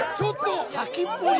先っぽに。